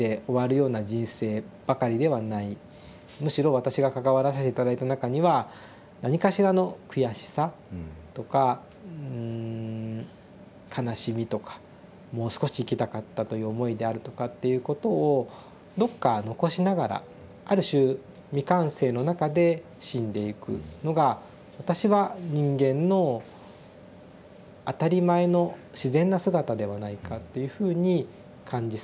むしろ私が関わらせて頂いた中には何かしらの悔しさとかうん悲しみとかもう少し生きたかったという思いであるとかっていうことをどっか残しながらある種未完成の中で死んでいくのが私は人間の当たり前の自然な姿ではないかっていうふうに感じさえします。